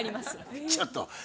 ちょっと。